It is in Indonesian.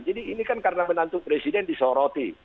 jadi ini kan karena menantu presiden disoroti